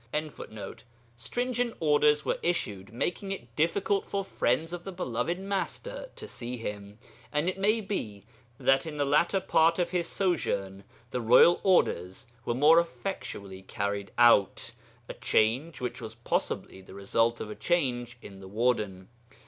276.] Stringent orders were issued making it difficult for friends of the Beloved Master to see him; and it may be that in the latter part of his sojourn the royal orders were more effectually carried out a change which was possibly the result of a change in the warden.